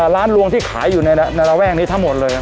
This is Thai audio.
ลวงที่ขายอยู่ในระแวกนี้ทั้งหมดเลย